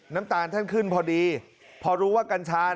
น้ำตาลท่านขึ้นพอดีพอรู้ว่ากัญชา